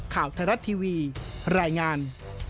ข่าวธรัตน์ทีวีรายงาน